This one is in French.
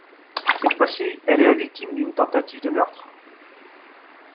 Cette fois-ci, elle est la victime d'une tentative de meurtre.